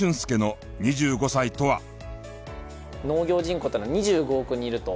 農業人口っていうのは２５億人いると。